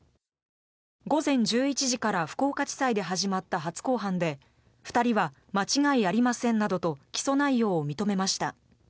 午前１１時から福岡地裁で始まった初公判で２人は間違いありませんなどと起訴内容を認めました。